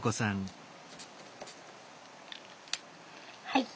はい。